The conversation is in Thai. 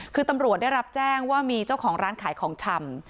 คือตำรวจได้รับแจ้งว่ามีเจ้าของร้านขายของชำ